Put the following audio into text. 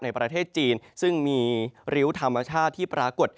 ประเทศจีนซึ่งมีริ้วธรรมชาติที่ปรากฏ